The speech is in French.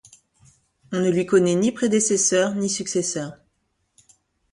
On ne lui connaît ni prédécesseur, ni successeur.